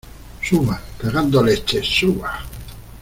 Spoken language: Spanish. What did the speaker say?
suba, cagando leches. ¡ suba!